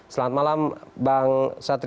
selamat malam bang satria